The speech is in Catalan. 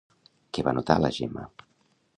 Què va notar la Gemma?